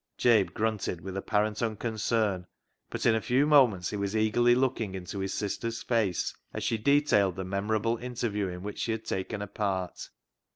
Jabe grunted with apparent unconcern, but in a few moments he was eagerly looking into his sister's face as she detailed the memorable interview in which she had taken a part.